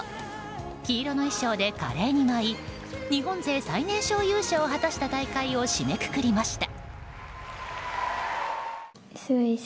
黄色の衣装で華麗に舞い日本勢最年少優勝を果たした大会を締めくくりました。